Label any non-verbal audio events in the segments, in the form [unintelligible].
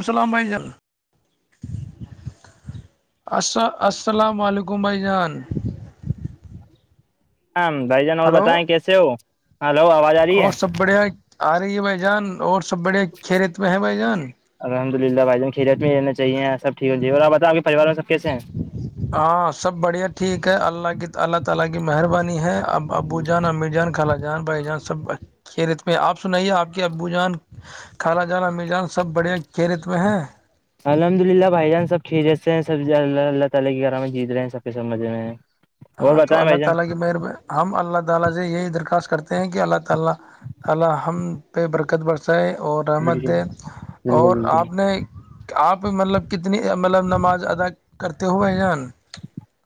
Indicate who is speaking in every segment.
Speaker 1: اسلام بھائی جان
Speaker 2: [inaudible]
Speaker 1: س السلام علیکم بائی جان
Speaker 2: ہاں بھائی جان اور
Speaker 1: ہلو
Speaker 2: بتائیں کیسے ہو ہلو آواز آ رہی ہے
Speaker 1: اور سب بڑھیا آ رہی ہے بھائی جان اور سب بڑھیا خیریت میںئے ہیں بھائی جان
Speaker 2: الحمد للہ بھائی جان کھیت میں رہین چاہیے سب ٹھیک ہو جی اور آ بت آپ کے پریوار میں سب کیس ہیں
Speaker 1: ہاں سب بڑیاں ٹھیک ہے اللہ کی اللہ تعالی کی مہربانی ہے ابو جان امیر جان خال جان بھائی جان سب کھی رت میں آپ سنائیے آپ کے ابو جان خالا جانہ میزان سب بڑھیا کی ریت میں ہیں
Speaker 2: الحمدللہ بھائی جان سب خیریت سے ہیں سب اللہ تعالی کی کرام جیت رہے ہیں سب کی مزے میں اور
Speaker 1: ہاں تو
Speaker 2: بتائیں
Speaker 1: اللہ
Speaker 2: بھائی جان
Speaker 1: تعالی کی مہربان ہم اللہ تعالی سے یہی درخواست کرتے ہیں کہ اللہ تعالی ہم پہ برکت بر سے اور رحمت
Speaker 2: بالکل
Speaker 1: دے اور
Speaker 2: بالکل
Speaker 1: آپ
Speaker 2: بالکل
Speaker 1: نے آپ مطلب کتنی مطلب نماز ادا کرتے ہوئے ہیں جان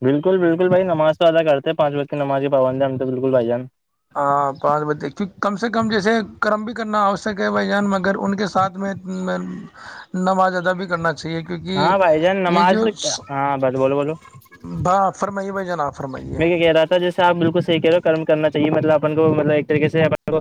Speaker 2: بالکل بالکل بھائی نماز تو ادا کرتے پانچ بج کے نماز پابند ہم تو بالکل بھائی جان
Speaker 1: ہاں پانچ بجے کیوں کم سے کم جیسے کرم بھی کرنا آوشک ہے بھائی جان مگر ان کے ساتھ میں میں نماز ادا بھی کرنا چاہ ہے کیونکہ
Speaker 2: ہاں بھائی جان
Speaker 1: یہ
Speaker 2: نماز
Speaker 1: جو
Speaker 2: تو کیا ہاں بس بولو بولو
Speaker 1: با فرم یہ ب جانا
Speaker 2: میں یہ کہہ رہا تھا جیسے آپ بالکل صحی کہہ رہو ہو کرم کرنا چاہیے مطلب اپن کو مطلب ایک طریقے سے کو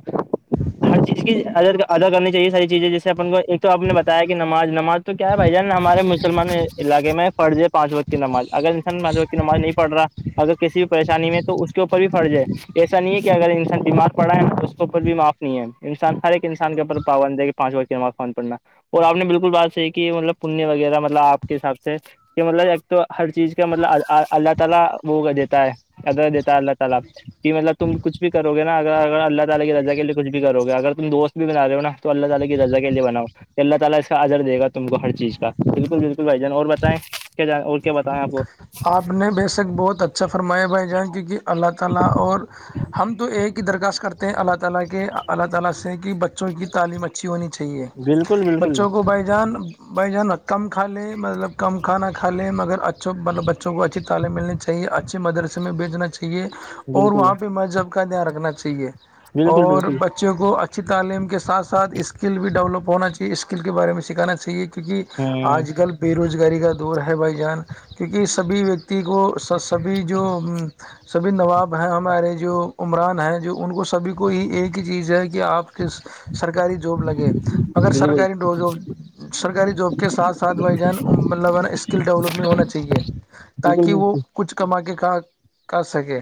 Speaker 2: اس کید ادا کرنی چاہیے ساری چیزیں جیسے اپن کو ایک تو آپ نے بتایا کہ نماز نماز تو کیا ہے بھائی جان ہمارے مسلمان علاقے میں پڑھ جائے پانچ وقت کی ناز اگر انسان پانچ وقت کی نماز نہیں پڑھ رہا اگر کسی بھی پریشانی میں تو اس کے اوپر بھی فرض ہے ایسا نہیں ہے کہ اگر انسان دمغ پڑا ہے تو اس کے اوپر بھی معاف نہیں ہے انسان ہر ایک انسان کے اوپر پابند ہے کہ پانچ وقت کے فون پڑنا اور آپ نے بالکل بات صحی کی کہ مطلب پنیہ وغیرہ مطلب آپ کے حساب سے کہ مطلب ایک تو ہر چیز کا مطلب اللہ تعالی ہووگ دیت ہے ا دتاا اللہ ت الا کہ مطلب تم کچھ کرو گے نا اگر اگر اللہ تعالی کی رجا کے لیے کچھ بھی کرو گے اگر تم دوست بھی بنا رہے ہوا تو اللہ تالی کی رزہ کے لی بناؤ کہ اللہ تعالی اس کا ادر دے گا تم کو ہر چیز کا بالکل بالکل بھائی جان اور بتیں کیا جانیں
Speaker 1: آپ نے بے شک بہت اچھا سفرما بن جائیں کیونکہ اللہ تعالی اور ہم تو ایک ہی درخواست کرتے اللہ تعالی کے اللہ تعالی سے کہ بچوں کی تعلیم اچھی ہونی چاہیے
Speaker 2: بالکل بالکل
Speaker 1: بچوں کو بائی جان بھائی جان کم کھا لیں مطلب کم کھانا کھا لیں مگر اچھوں بچوں کو اچھی تعالے ملنے چاہیے اچھے مدرسے میں بیچنا چاہیے اور
Speaker 2: بالکل
Speaker 1: وہاں پہ مذہب کا دھیان رکھنا چاہیے
Speaker 2: بالکل
Speaker 1: اور
Speaker 2: بالکل
Speaker 1: بچے بچوں کو اچھی تعلیم کے ساتھ ساتھ اسکل بھی ڈیولپ ہونا چاہیے اسکل کے بارے میں سکھانا چاہیے کیونکہ
Speaker 2: ہوں
Speaker 1: آج کل بے روزگاری کا دور ہے بھائی جان کیونکہ سبھی و کو سبھی جو سبھی نواب ہیں ہمارے جو عمران ہیں جو ان کو سبھی کو ہی ایک ہی چیز ہے کہ آپ ک سرکاری جاب لگے مگر
Speaker 2: بالکل بالکل
Speaker 1: سرکاری ڈ جاب سرکاری جاب کے ساتھ ساتھ بھ جان مطلبا اسکل ڈیولپ ہونا چاہیے تاکہ وہ
Speaker 2: بالکل
Speaker 1: کچھ کما کے کا کر سکے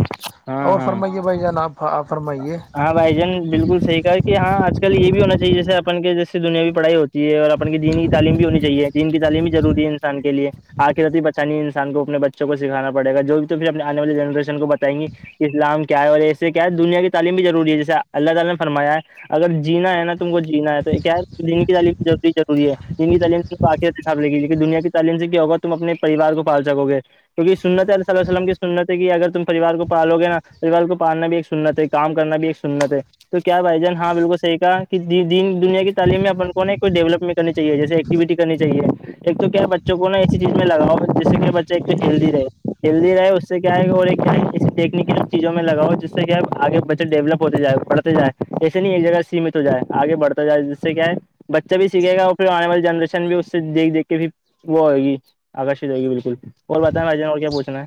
Speaker 2: ہاں
Speaker 1: اور
Speaker 2: ہاں
Speaker 1: فرمائیے بھائی جانا فرمائیے
Speaker 2: ہاں بھائی جن بالکل صحی کہ ہاں آج کل یہ بھی ہونا چاہیے جیسےن کے جیسے دنیای پڑھائی ہوتی ہے یہ اور اپن کی دین کی تعلیم بھی ہونی چاہیے دین کی تعلیم بھی ضروری ہے انسان کے لیے آخری پچانی انسان کو اپنے بچوں کو سکھانا پڑے گا جو بھی تو پھر اپنے آنے والی جنریشن کو بتائیں گی اسلام کیا ہے اور ایسے کیا ہے دنیا کی تعلیم بھی ضروری ہے جیسے اللہ تعالی نے فرما ہے اگر جینا ہے نا تم کو جینا ہے تو کیا ہے دن کی تعلیمی ضروری ہے دن کی تعلیم باقتاب لےگی کہ دنیا کی تعلیم سے کیا ہوگا تم اپنے پریوار کو پال سکو گے کیونکہ سنت ہے ال ال وسللم کی سنت ہے کہ اگر تم پریوار کو پالو گے نا پریوار کو پالنا بھی ایک سنت ہے کام کرنا بھی ایک سنت ہے تو کیا بھائی جان ہاں بالکل صحیح کہ دنیا کی تعلیم میں اپن کو ن کوئی ڈیولپمنٹ کرنی چاہیے جیسے ایکٹیویٹی کرنی چاہیے ایک تو کیا بچوں کو نا اسسی چیز میں لگاؤ جس سے کہ بچہ ایک تو ہیلدی رہے جلدی رہے اس سے کیا ہے اور ایک
Speaker 1: [inaudible]
Speaker 2: یکنیکل چیزوں میں لگؤ جس سے کیا آگے بچے ڈیولپ ہوتے جائے بڑتے جائ ایسے نہیں ایک جگہ سے سیمت ہو جائے آگے بڑھتا جائے جس سے کیا ہے بچہ بھی سیکھے گا اور پھر آنے والی جنریشن بھی اس سے دیکھ دیکھ کے بھیھر وہ ہوئے گی آکرشت ہو گی بالکل اور بائیں م راجن اور کیا پوھنا ہے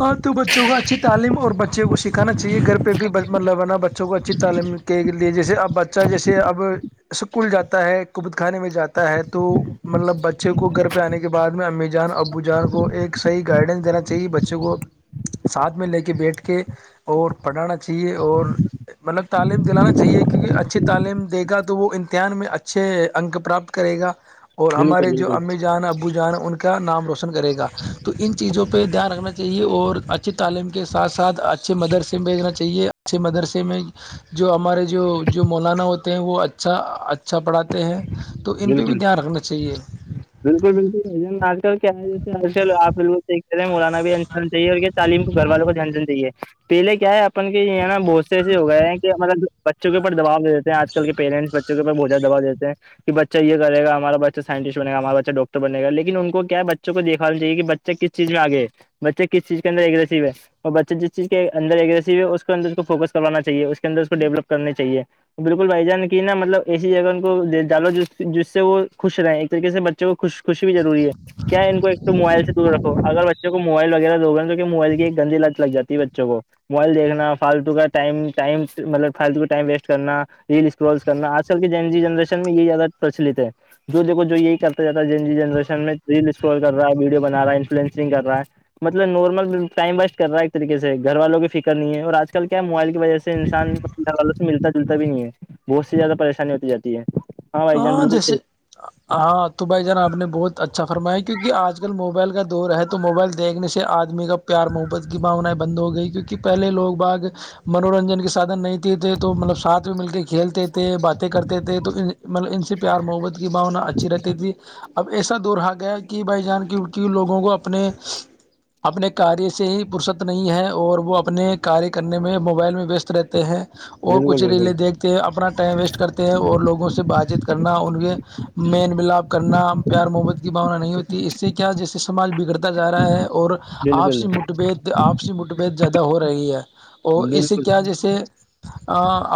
Speaker 1: ہاں تو بچوں کو اچھی تعلیم اور بچے کو سکھانا چاہیے گھر پہ بھی ملبانہ بچہ بچوں کو اچھی تعلیم کے لیے جیسے اب بچہ جیسے اب اسکول جاتا ہے کبت خانے میں جاتا تو ہے توو مطلب بچے کو گھر پہ آنے کے بعد میں امی جان ابو جان کو ایک صح گائڈنس دینا تھا چاہے بچوں کو ساتھ میں لے کے بیٹھ کے اور پڑھانا چاہیے اور مطلب تعلیم دلانا چاہیے کیونکہ اچھی تعلیم دے گا تو وہ امتحان میں اچ اچھے ا انک پراپت کرے گا اور ہمارے
Speaker 2: بالکل
Speaker 1: جو
Speaker 2: بالکل
Speaker 1: امی جان ابو جان ہیں ان کے کا نام روشن کرے گا تو ان چیزوں پر پہ دھیان رکھنا چاہیے اور اچھی تعلیم کے ساتھ ساتھ اچھے مدرسے میں بھیجنا چاہیے اچھے مدرسے میں جو ہمارے جو جو مولانا ہوتے ہیں وہ اچھا اچھا پڑھاتے ہیں تو ان پہ
Speaker 2: بالکل
Speaker 1: بھی دھیان رکھنا چاہیے
Speaker 2: بالکل بالکل ب آج کل کے آئے جل آپیکھ مولانا بھی چیے اور یہ تعم کو گھر والوں کو دھیان دینا چاہے پہلے کیا ہے اپن کے یہ نا بہت سے ایسے ہو گئے ہیں کہ مطلب بچوں کے اوپر دبا دے دیتے ہیں آج کل کے پیرینٹس بچوں کے بہھت زیادہ دباؤ دیتے ہیں کہ بچہ یہ کرے گا ہمارا بچہ سائنٹسٹ بنے گا ہمارا بچہ ڈاکٹر بنے گا لیکن ان کو کیا بچا کو دکھانا چاہے کہ بچے کس چیز میں آگے ہے بچہ کس چیز کے اندرگریسو ہے اور بچہ جس چیز کے اندرگریسو ہے اس کے انر اس کو فوکس کروانا چاہے اس کے انر کو ڈیولپ کرنی چاہیے بالکل بھائی جان کی نا مطلب ایسی جگہ ان کو د جالو ج جس سے وہ خوش رہے ایک طریقے سے بچوں کو خوش خوشی بھی ضروری ہے کیا ان کو ایک تو موبائل سے دور رو اگر بچوں کو موائل وغیرہ دو گا توون موبائل کی ایک گندی لت لگ جاتی ہے بچوں کو موبائل دیکھنا فالتو کا ٹ ٹائم مطلب فالتو کا ٹائم ویسٹ کرنا ریلس ول کرنا آج کل کی جن جی جنریشن میں یہ زیادہ پرچلت ہے جو دیک کو جو یہی کرتا جاتا ہے جن جی جنریشن میں ر سکرول کر رہا ہے ویڈوں بنا رہا انفلئنسنگ کر رہا ہے مطلب نارمل ٹائم ویسٹ کر رہا ہے ایک طریقے سے گھر والوں کی فکر نہیں ہے اور آج کل کیا موبائل وجہ سے انسان والوں سے ملتا جلتا بھی نہیں ہے بہت سی زیادہ پریشانی ہوتی جاتی ہے بھائی جان
Speaker 1: ہاں
Speaker 2: بالکل
Speaker 1: جیسے
Speaker 2: صحیح
Speaker 1: ہاں تو بھائی جان آپ نے بہت اچھا فرمایا کیونکہ آج کل موبائل کا دور ہے تو موبائل دیکھنے سے آدمی کا پیار محبت کی بھاؤنائیں بند ہو گئی کیونکہ پہلے لوگ باگ منورنجن کے سادھن نہیں تھے تھے تو مطلب ساتھ میں مل کے کھیلتے تھے باتیں کرتے تھے تو مطلب ان سے پیار محبت کی بھانا اچھی رہتی تھی اب ایسا دور رہا گیا کہ بھائی جان کیونکہ لوگوں کو اپنے اپنے کاریہ سے ہی فرصت نہیں ہے اور وہ اپنے کاریہ کرنے میں موبائل میں ویست رہتے ہیں اور کچھ
Speaker 2: بالکل
Speaker 1: ریلیں
Speaker 2: بالکل
Speaker 1: دیکھتے ہیں اپنا ٹائم ویسٹ کرتے ہیں اور لوگوں سے سے بات چیت کرنا ان کے مین ملاپ کرنا پیار محبت کی بھاونا نہیں ہوتی اس سے کیا جیسے سماج بگڑتا جا رہا ہے اور
Speaker 2: بالکل
Speaker 1: آپسی مت بیت آپسی مت بیت زیادہ ہو رہی ہے اور اس سے
Speaker 2: بالکل
Speaker 1: کیا جیسے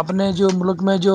Speaker 1: اپنے جو ملک میں جو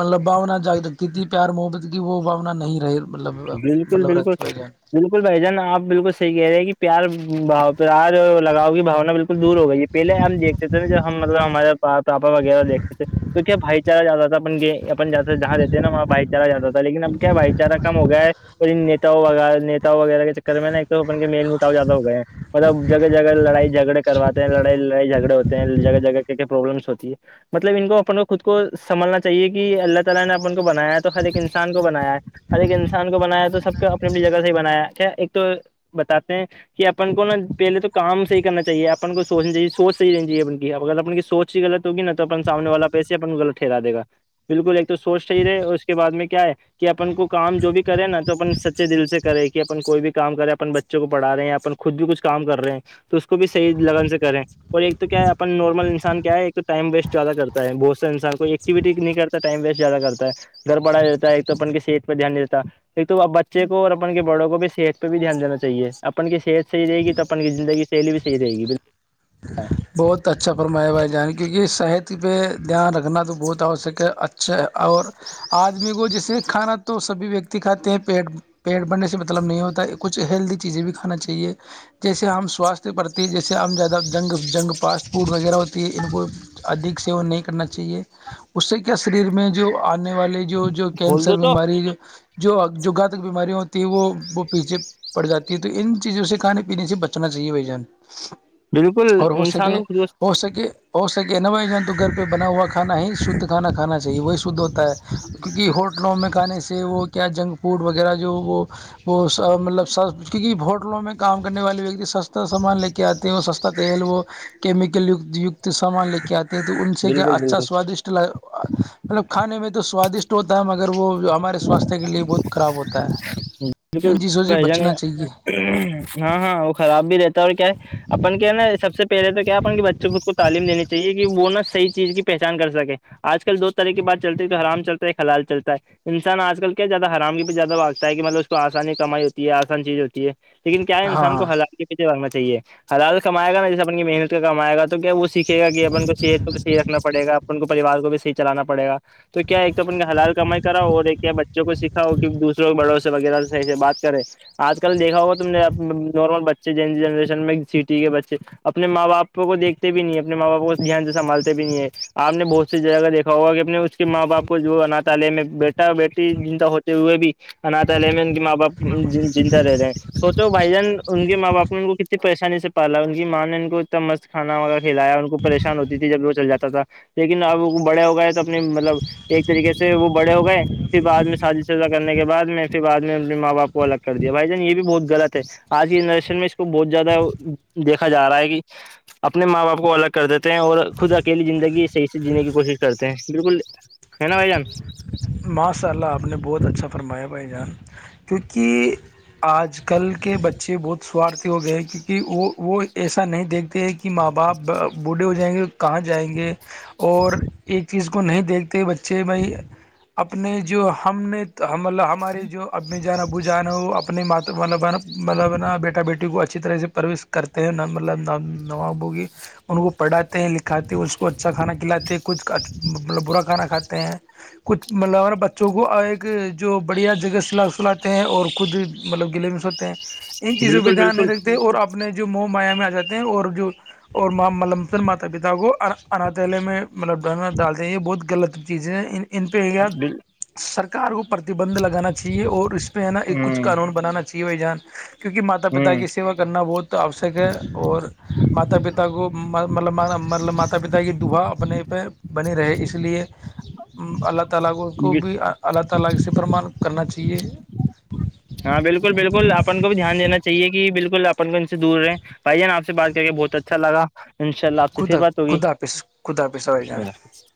Speaker 1: مطلب باؤنا جگ لگتی تھی پیار محبت کی وہ بھانا نہیں رہی مطلب
Speaker 2: بالکل
Speaker 1: مطلب
Speaker 2: بالکل
Speaker 1: رتی بھائی جان
Speaker 2: بالکل بھائی جان آپ بالکل صحیح کہہ رہے ہیں کہ پیار بھاؤ تو آج لگاؤ کی باونا بالکل دور ہو گئی ہے پہلے ہم دیکھتے تھ نا جب ہم مطلب ہمارےا پاپا وغیرہ دیکھتے تھے تو کیا بھائی چارہ زیادہ تھا اپ اپن جیسا جہاں رہتے نا وہاں بھائی چارہ زیادہ تھا لیکن اب کیا بھائی چارہ کم ہو گیا ہے اور ان نتاؤ ویر نتاؤ وغیرہ کے چکر میں نا ایک تو اپ کے میل مٹاؤ زیادہ ہو گئے ہیں مطلب جگہ جگہ لڑائی جگڑےواتے ہیں لڑائی لڑائی جھگڑے ہوتے ہیں جگہ جگہ کی کیا پرابلمس ہوتی ہے ہے ان کو اپنے خود کو سنبھلنا چاہیے کہ اللہ تعالی نے اپ کو بنایا ہے تو خیر ایک انسان کو بنایا ہے ہر ایک انسان کو بنایا تو سب کو اپنی اپنی جگہ سے ہی بنایاھا ایک تو بتاتے ہیں کہ اپن کو نا پہلے تو کام صحیح کرنا چاہیے اپن کو سوچنی چاہیے سوچ صحیح رہنی چاہیے اپن کی اگر اپن کی سوچ غلط ہو گی نا تو اپن سامنے والا ایسے اپ ٹھیرا دے گا بالکل ایک تو سوچ صحیح رہے اور اس کے بعد میں کیا ہے کہ اپن کو کام جو بھی کرے نا تو اپن سچے دل سے کرے کہ اپن کوئی بھی کام کرے اپن بچوں کو پڑا رہے ہیں اپن خود بھی کچھ کام کر رہے ہیں تو اس کو بھی صحیح لگن سے کریں اور ایک تو کیا ہے اپن نارمل انسان کیا ہے ایک تو ٹائم ویسٹیادہتا ہے بہت سے انسان کوئی ایکٹیویٹی نہیں کرتا ٹائم وسٹ زیادہ کرتا ہے گھربڑا رہتا ہے ایک تو اپن کے دھیان دیتا ایک تو ا بچے کو اور اپن کے بڑوں کو بھی صحت پہ بھی دھیان دینا چاہیے اپن کی صحت سے صحیح رہے گی تو اپن کی زندگی سہیلی بھی صحیح رہے گی بکل
Speaker 1: بہت اچھا فرمایا بھائی جان کیونکہ صحت پہ دھیان رکھنا تو بہت آوشک ہےا اچھا اور آدمی کو جیسے کھانا تو سبھی ویکتی کھاتے ہیں پیٹ پیٹ بھرنے سے مطلب نہیں ہوتا ہے کچھ ہیلدی چیزیں بھی کھانا چاہیے جیسے ہم سواستھ پرتی جیسے ہم زیادہ جنگ جنگ فاسٹ فوڈ وغیرہ ہوتی ہے ان کو ادھ سی وہون نہیں کرنا چاہیے اس سے کیا شریر میں جو آنے والے جو جو
Speaker 2: بول
Speaker 1: کینسر
Speaker 2: دو تو
Speaker 1: بیماری جو جو گاہ تک بیماریاں ہوتی ہیں وہ وہ پیچھے پڑ جاتی ہے تو ان چیزوں سے کھانے پینے سے بچنا چاہیے بھ جان
Speaker 2: بالکل
Speaker 1: اور ہو سکے
Speaker 2: انسان کو
Speaker 1: ہو سکے ہو سکے نا بھائی جان تو گھر پہ بنا ہوا کھا ہی شدھ کھا کھانا چاہیے وہی شدھ ہوتا ہے کیونکہ ہوٹلوں میں کھانے سے وہ کیا جنک فوڈ وغیرہ جو وہ وہ مطلب س کیونک ہوٹلوں میں کام کرنے والے ویک سستا سامان لے کے آتے ہیں وہ سستا تل وہ کیمیکل یو کت سامان لے کے آتے ہیں تو ان سے کیا
Speaker 2: بالکل
Speaker 1: اچھا
Speaker 2: بالکل
Speaker 1: سوادشٹ مطلب کھانے میں تو سوادشٹ ہوتا ہے مگر وہ جو ہمارے سوستھ کے لیے بہت خراب ہوتا ہے
Speaker 2: بالکل
Speaker 1: ان چیزوں سے
Speaker 2: بھائی جان
Speaker 1: بچنا چاہیے
Speaker 2: ہاں ہاں وہ خراب بھی رہتا ہے اور کیا ہے اپن کیا ہے نا سب سے پہلے تو کیا اپ کہ بچوں کو خود کو تعلیم دی چاہیے کہ وہ نہاحیح چیز کی پہچان کر سکے آج کل دو طرح کی بات چلتی ہے تو حرام چلتا ہے خلال چلتا ہے انسان آج کل کیا زیادہ حرام کیہ زیادہ باگتا ہے کہ مطلب اس کو آسانی کمائی ہوتی ہے آسان چیز ہوتی ہے لیکن کیا ہے انسان کو
Speaker 1: ہاں
Speaker 2: حال کے پیچے بگنا چاہیے حلال کمائے گا نا جیے اپ کی محنت کا کمائے گا تو تو کیا وہ سیکھ گا کہ اپن کو صحت کو بھی صح رکھنا پڑے گا اپ کو پوار کو بھی صیح چلانا پڑ گا تو کیا ایک تو اپن کا حلال کمائی ہو رہا کیا بچوں کو سیککھا ہو کہ دوسروں کے بڑوں سے وغیرہ سے صحیح سے بات کریں آج کل دیکھا ہوگا تم نے نارمل بچے ج جنریشن میں سٹی کے بچے اپنے ماں باپ کو دیکھتے بھی نہیں اپنے ماں باپ کو دھیان سے سنبالتے بھی نہیں ہے آپ نے بہت س جگہ دیکھا ہوگا کہنے اس ماں باپ کو جو آ نات تالے میں بیٹا بیٹی جنندتا ہوتی ہوئے بھی اناتالیہ میں ان کے ماں باپ جند رہتے ہیں سوچو بھائی جان ان کے ماں باپ نے ان کو کتنے پریشانی سے پالا ان کی ماں نے ان کو اتنا مست کانا وغیرہ کھلایا ان کو پریشان ہوتی تھی جب وہ چل جاتا تھا لیکن اب بڑے ہو گئے تو اپنے مطلب ایک طریقے سے وہ بڑے ہو گئے پھر بعد میں شادی سزہ کرنے کے بعد میں پھر بع میں اپنے ماں باپ کو الگ کر دیا بھائی جان یہ بھی بہت غلط ہے آج کی جنریشن میں اس کو بہت زیادہ دیکھا جا رہا ہے کہ اپنے ماں باپ کو الگ کر دیتے ہیں اور خود اکیلی زندگی صحیح سے جینے کی کوشش کرتے ہیں بالکل ہے نا بھائی جان
Speaker 1: ماشاء اللہ آپ نے بہت اچھا فرمایا بھائی جان کیونکہ آج کل کے بچے بہت سوارتھی ہو گئے ہیں کیونکہ وہ وہ ایسا نہیں دیکھتے ہیں کہ کہ ماں باپ بوڈھے ہو جائیں گے کہاں جائیں گے اور ایک چیز کو نہیں دیکھتے بچے چھ بئی اپنے جو ہم نے ہملہ ہمارے جو ابنے جانا ب ب جان ہو اپنے م مطلب مطلبا بیٹا بیٹی کو اچھی طرح سے پروش کرتے ہیں ن مطلب نوابوں کی ان کو پڑھاتے ہیں لکھاتے ہیں اس کو اچھا کھانا کھلےتے ہیں خچود مطلب برا کھانا کھاتا کہ [unintelligible] کچھ مطلب ہمارا بچوں کو ایک جو بڑھیا جگہ س سلاتے ہیں اور خود مطلب گلے میں سو ہیں ان چیزوں پہ
Speaker 2: بالکل
Speaker 1: دھیان نہیں
Speaker 2: بالکل
Speaker 1: رکھتے اور اپنے جو مو مایا میں آ جاتے ہیں اور جو اور مللمثن ماتا پتا کو اناتیلے میں مطلب ڈالنا ڈالتے ہیں یہ بہت غلط چیزیں ان پہ سرکار کو پرتبند لگانا چ چاہیے اور اس پہ ہے نا ایک کچھ
Speaker 2: ہوں
Speaker 1: قانون بنانا چاہیے بھائی جان کیونکہ ماتا پتا
Speaker 2: ہوں
Speaker 1: کی سیوا کرنا بہت آوشک ہے اور ماتا پتا کو مطلب مطلب مات ماتاپتا کی دہا اپنے پہ بنی رہے اس لیے اللہ طلاق ان کو بھی اللہ تعالی اسی فرمان کرنا چاہیے
Speaker 2: ہاں بالکل بالکل اپن کو بھی دھیان دین چاہیے کہ بالکل اپن کو ان سے دور رہے بھائی جان آپ سے بات کر کے بہت اچھا لگا ان شاء اللہ آپ سے پھر
Speaker 1: خدا
Speaker 2: بات ہوگی
Speaker 1: خدا حافظ خدا حافظ بھائی جان
Speaker 2: جی [unintelligible]